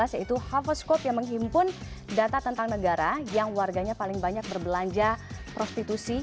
yaitu hoverscope yang menghimpun data tentang negara yang warganya paling banyak berbelanja prostitusi